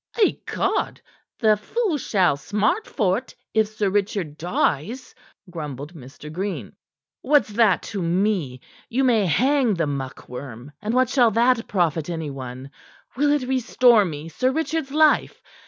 "Ecod! the fool shall smart for't if Sir Richard dies," grumbled Mr. Green. "What's that to me? You may hang the muckworm, and what shall that profit any one? Will it restore me Sir Richard's life?